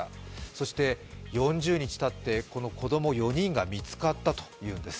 そして４０日たって、この子供４人が見つかったというんです。